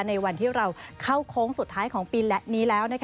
ในวันที่เราเข้าโค้งสุดท้ายของปีและนี้แล้ว